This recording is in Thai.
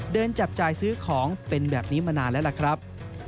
เดินจับจ่ายซื้อของเป็นแบบนี้มานานแล้วล่ะครับ